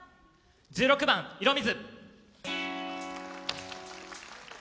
１６番「色水」。